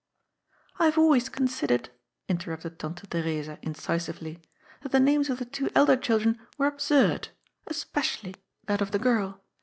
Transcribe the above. ^' I have always considered," interrupted Tante Theresa incisively, " that the names of the two elder children were absurd. Especially that of the girl.